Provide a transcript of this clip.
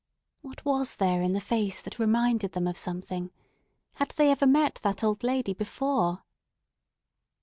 What was there in the face that reminded them of something? Had they ever met that old lady before?